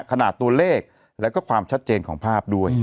ขนาดตัวเลขแล้วก็ความชัดเจนของภาพด้วย